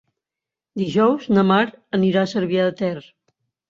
Dijous na Mar anirà a Cervià de Ter.